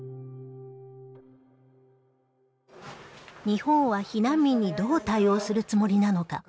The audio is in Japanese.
日本は避難民にどう対応するつもりなのか？